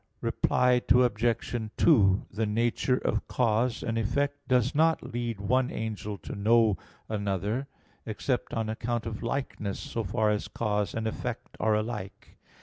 Reply Obj. 2: The nature of cause and effect does not lead one angel to know another, except on account of likeness, so far as cause and effect are alike.